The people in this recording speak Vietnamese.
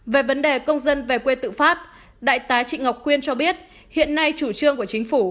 về vấn đề công dân về quê tự phát đại tá trị ngọc quyên cho biết hiện nay chủ trương của chính phủ